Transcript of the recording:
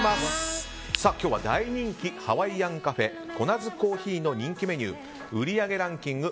今日は大人気ハワイアンカフェコナズ珈琲の人気メニュー売上ランキング